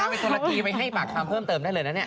ไปตุรกีไปให้ปากคำเพิ่มเติมได้เลยนะเนี่ย